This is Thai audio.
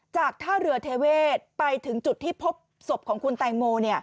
จากท่าเรือเทเวศไปถึงจุดที่พบศพของคุณแตงโม